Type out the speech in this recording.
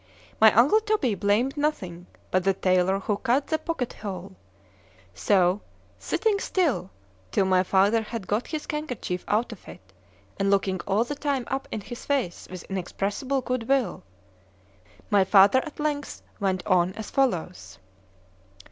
My uncle Toby blamed nothing but the taylor who cut the pocket hole;——so sitting still till my father had got his handkerchief out of it, and looking all the time up in his face with inexpressible good will——my father, at length, went on as follows.